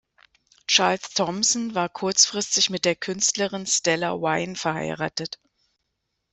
Charles Thomson war kurzfristig mit der Künstlerin Stella Vine verheiratet.